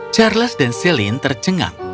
charles dan celine tercengang